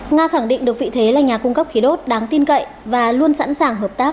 nga khẳng định được vị thế là nhà cung cấp khí đốt đáng tin cậy và luôn sẵn sàng hợp tác